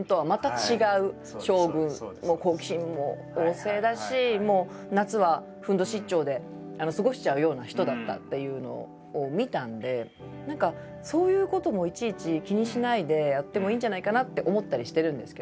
好奇心も旺盛だし夏はふんどし一丁で過ごしちゃうような人だったっていうのを見たんで何かそういうこともいちいち気にしないでやってもいいんじゃないかなって思ったりしてるんですけど。